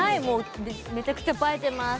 めちゃくちゃ映えてます。